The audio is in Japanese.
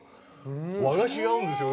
和菓子合うんですよね。